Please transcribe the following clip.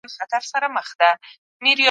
حکومت د عامو خلګو لپاره دی.